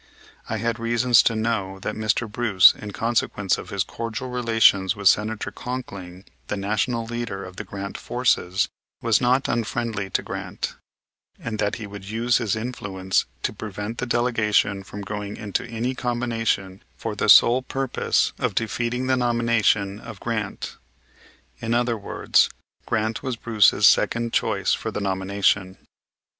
I had reasons to know that Mr. Bruce, in consequence of his cordial relations with Senator Conkling, the national leader of the Grant forces, was not unfriendly to Grant, and that he would use his influence to prevent the delegation from going into any combination for the sole purpose of defeating the nomination of Grant. In other words, Grant was Brace's second choice for the nomination.